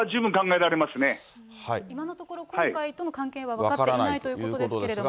今のところ、今回との関係は分かっていないということですけれども。